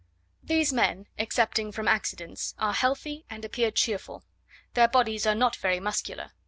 These men, excepting from accidents, are healthy, and appear cheerful. Their bodies are not very muscular.